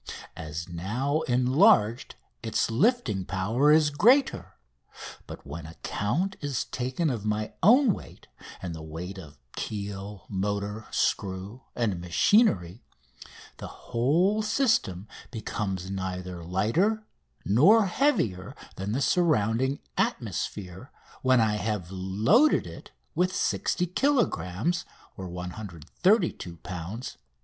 As now enlarged its lifting power is greater; but when account is taken of my own weight and the weight of keel, motor, screw, and machinery, the whole system becomes neither lighter nor heavier than the surrounding atmosphere when I have loaded it with 60 kilogrammes (132 lbs.)